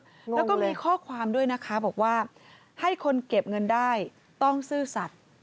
แล้วก็มีข้อความด้วยนะคะบอกว่าให้คนเก็บเงินได้ต้องซื่อสัตว์